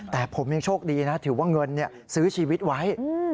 แต่ผมยังโชคดีนะถือว่าเงินซื้อชีวิตไว้